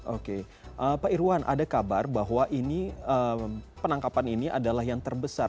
oke pak irwan ada kabar bahwa ini penangkapan ini adalah yang terbesar